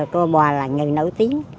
cô bà là người nổi tiếng